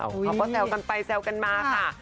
เขาก็แซวกันไปแซวกันมาค่ะ